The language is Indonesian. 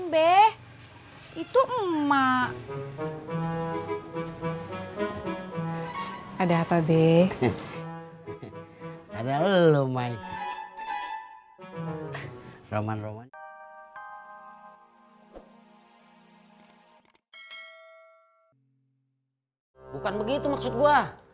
bukan begitu maksud gua